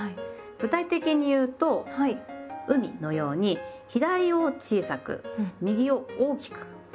具体的に言うと「海」のように左を小さく右を大きく書きます。